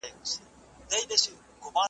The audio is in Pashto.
تاله کوم ځایه راوړي دا کیسې دي ,